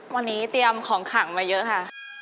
วันนี้เตรียมของขังมาเยอะค่ะ